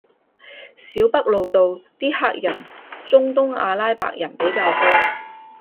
小北路度啲黑人中東阿拉伯人比較多